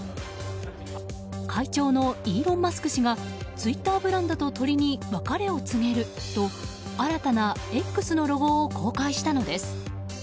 会長のイーロン・マスク氏がツイッターブランドと鳥に別れを告げると新たなＸのロゴを公開したのです。